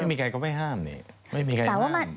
ไม่มีใครก็ไม่ห้าม